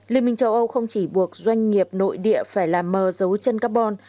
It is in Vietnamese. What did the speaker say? liên minh châu âu không chỉ buộc doanh nghiệp nội địa phải làm mờ dấu chân carbon